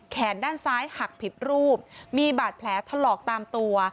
แขนด้านซ้ายหักผิดรูปมีบาดแผลถลอกตามตัว